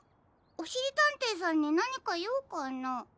おしりたんていさんになにかようかな？